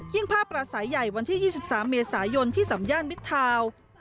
ภาพปราศัยใหญ่วันที่๒๓เมษายนที่สำย่านมิดทาวน์